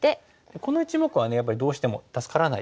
この１目はやっぱりどうしても助からないですよね。